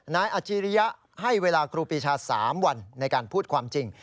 อาจริยะให้เวลาครูปีชา๓วันในการพูดความจริง